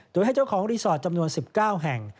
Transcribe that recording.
โดยให้เจ้าของรีสอร์ทจำนวน๑๙แห่ง